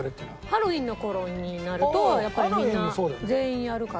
ハロウィーンの頃になるとやっぱりみんな全員やるから。